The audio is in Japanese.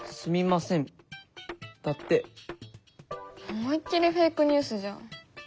思いっ切りフェイクニュースじゃん。